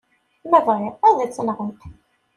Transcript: Ma bɣiɣ, ad tt-nɣent.